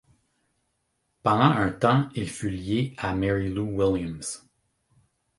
Pendant un temps il fut lié à Mary Lou Williams.